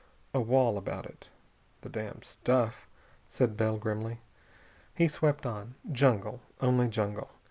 A wall about it.... "The damned stuff," said Bell grimly. He swept on. Jungle, only jungle.